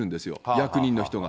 役人の人が。